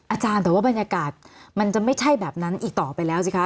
อาจารย์แต่ว่าบรรยากาศมันจะไม่ใช่แบบนั้นอีกต่อไปแล้วสิคะ